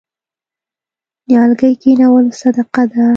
نیالګي کینول صدقه ده.